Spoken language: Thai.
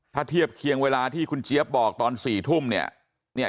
ถ้าเทียบเคียงเวลาที่คุณเจี๊ยบบอกตอน๔ทุ่มเนี่ย